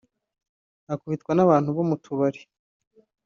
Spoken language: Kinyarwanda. akubitwa n’abantu bo mu tubari